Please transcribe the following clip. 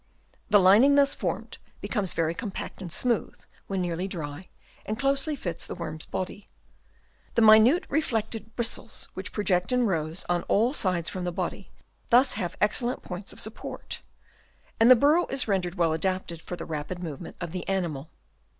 The lining thus formed becomes very com pact and smooth when nearly dry, and closely fits the worm's body. The minute reflexed bristles which project in rows on all sides from the body, thus have excellent points of support ; and the burrow is rendered well adapted for the rapid movement of the animal.